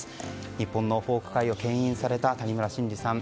日本のフォーク界を牽引された谷村新司さん